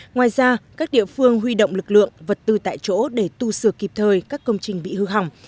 ngoài ra các địa phương huy động lực lượng vật tư tại chỗ để tu sửa kịp thời các công trình bị hư hỏng